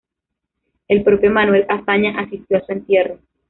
El propio Manuel Azaña asistió a su entierro.